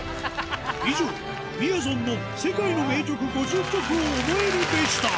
以上、みやぞんの世界の名曲５０曲を覚えるでした。